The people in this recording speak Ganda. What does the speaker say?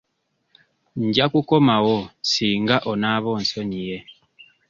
Nja kukomawo singa onaaba onsonyiye.